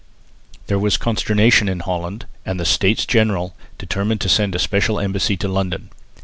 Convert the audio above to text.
There was consternation in Holland, and the States General determined to send a special embassy to London.